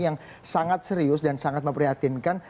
yang sangat serius dan sangat memprihatinkan